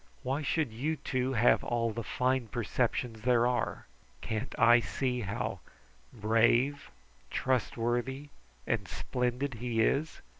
Why should you two have all the fine perceptions there are? Can't I see how brave, trustworthy, and splendid he is?